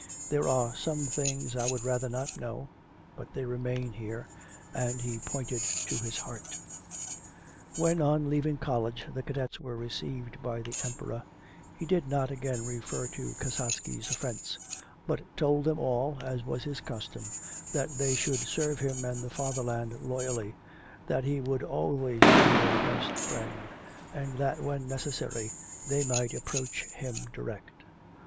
There are some things I would rather not know, but they remain here,' and he pointed to his heart. When on leaving College the cadets were received by the Emperor, he did not again refer to Kasatsky's offence, but told them all, as was his custom, that they should serve him and the fatherland loyally, that he would always be their best friend, and that when necessary they might approach him direct.